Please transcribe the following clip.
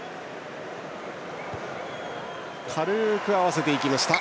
軽く合わせていきました。